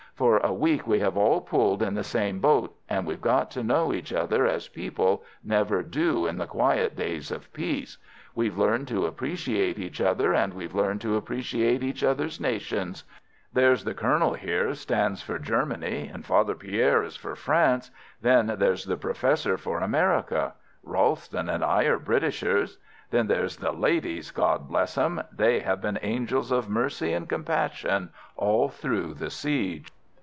"For a week we have all pulled in the same boat, and we've got to know each other as people never do in the quiet days of peace. We've learned to appreciate each other, and we've learned to appreciate each other's nations. There's the Colonel here stands for Germany. And Father Pierre is for France. Then there's the Professor for America. Ralston and I are Britishers. Then there's the ladies, God bless 'em! They have been angels of mercy and compassion all through the siege.